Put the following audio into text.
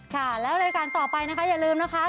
ก็รายการต่อไปอย่าลืมนะครับ